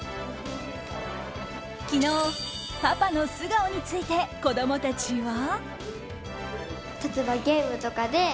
昨日、パパの素顔について子供たちは。